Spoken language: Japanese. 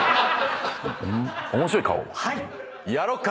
面白い顔やろっか！